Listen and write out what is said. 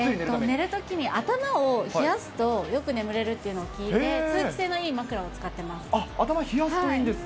寝るときに頭を冷やすと、よく眠れるっていうのを聞いて、通気性のいい枕を使っています。